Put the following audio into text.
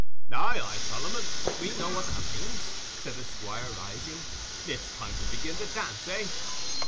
"Aye, aye, Solomon, we know what that means," said the Squire, rising. "It's time to begin the dance, eh?